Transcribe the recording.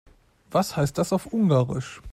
Was heißt das auf Ungarisch?